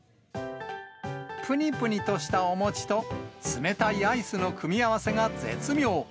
ぷにぷにとしたお餅と、冷たいアイスの組み合わせが絶妙。